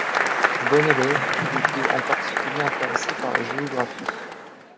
Bon élève, il était en particulier intéressé par la géographie.